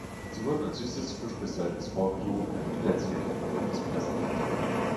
Sie wurden als süßes, frisch gestyltes Folk-Duo in Lätzchen-Overalls präsentiert.